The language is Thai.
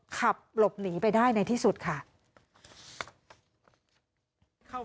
ขับหลบหนีไปได้ในที่สุดค่ะ